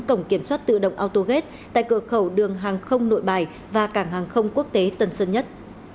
cổng kiểm soát tự động autogate tại cửa khẩu đường hàng không nội bài và cảng hàng không quốc tế tân sơn nhất